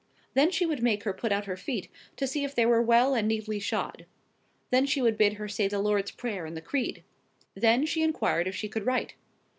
Then she would make her put out her feet, to see if they were well and neatly shod. Then she would bid her say the Lord's Prayer and the Creed. Then she inquired if she could write.